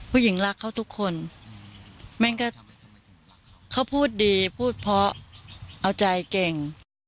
ผู้หญิงรักเขาทุกคนแม่งก็เขาพูดดีพูดเพราะเอาใจเก่ง